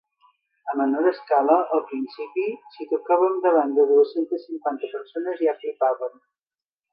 A menor escala, al principi, si tocàvem davant de dues-centes cinquanta persones ja flipàvem.